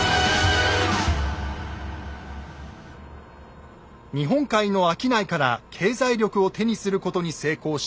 日本海の商いから経済力を手にすることに成功した謙信。